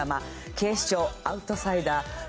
『警視庁アウトサイダー』